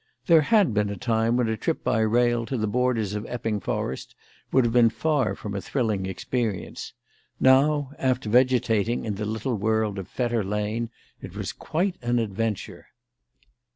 There had been a time when a trip by rail to the borders of Epping Forest would have been far from a thrilling experience; now, after vegetating in the little world of Fetter Lane, it was quite an adventure.